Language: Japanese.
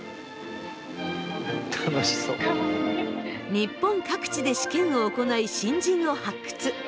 日本各地で試験を行い新人を発掘。